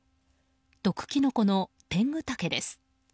毒キノコのテングタケです。